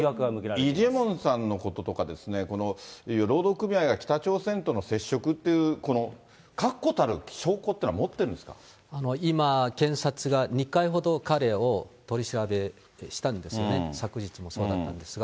イ・ジェミョンさんのこととかですね、北朝鮮との接触っていう、この確固たる証拠というのは今、検察が２回ほど彼を取り調べしたんですよね、昨日もそうだったんですが。